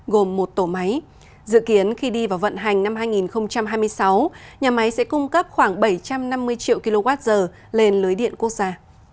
gồm một tổ máy dự kiến khi đi vào vận hành năm hai nghìn hai mươi sáu nhà máy sẽ cung cấp khoảng bảy trăm năm mươi triệu kwh lên lưới điện quốc gia